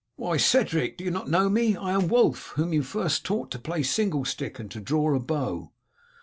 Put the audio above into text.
"Why, Cedric, do you not know me? I am Wulf, whom you first taught to play single stick and to draw a bow."